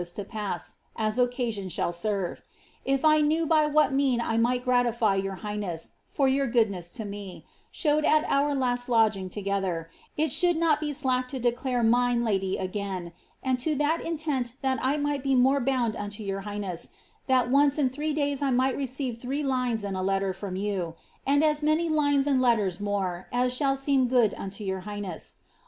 K* to pass, as occai^ion shall serve. If I knew by what mean I aiiglit gratify your highness for your glKxlno^s to me, bhowod at our last kxlging Ufethcr, it shoultl not \tc slack to declare mine lady again, and to that intent that I might be more iKiund unto your highness, that once in three days I might reefive three lines in a letter from you, and us many lines and letters more as ■lisll seem go«»l unto your highness.